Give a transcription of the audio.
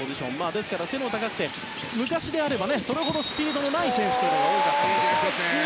ですから、背が高くて昔であればそれほどスピードのない選手が多かったんですが。